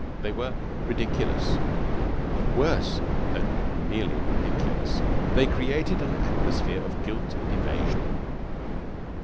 They were ridiculous. Worse than being merely ridiculous, they created an atmosphere of guilt and evasion.